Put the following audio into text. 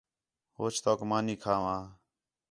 ہوچ توک مانی کھاواں